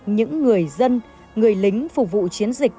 những người dân người lính phục vụ chiến dịch